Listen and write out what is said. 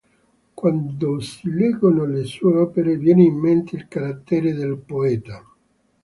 Quando si leggono le sue opere, viene in mente il carattere del poeta.